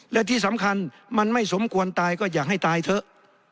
และที่สำคัญมันไม่สมควรตายก็อยากให้ตายเถอะ